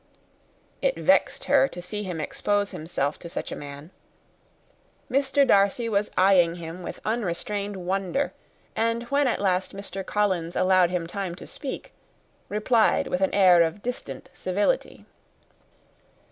It vexed her to see him expose himself to such a man. Mr. Darcy was eyeing him with unrestrained wonder; and when at last Mr. Collins allowed him to speak, replied with an air of distant civility.